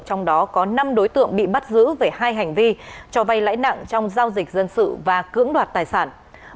trong đó có năm đối tượng bị bắt giữ về hai hành vi cho vay lãi nặng trong giao dịch dân sự và cưỡng đoạt tài sản